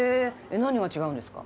何が違うんですか？